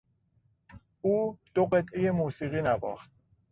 او دو قطعه موسیقی نواخت.